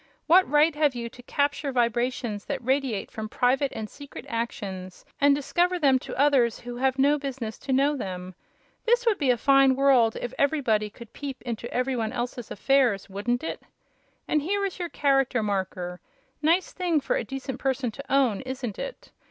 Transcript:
"What right have you to capture vibrations that radiate from private and secret actions and discover them to others who have no business to know them? This would be a fine world if every body could peep into every one else's affairs, wouldn't it? And here is your Character Marker. Nice thing for a decent person to own, isn't it?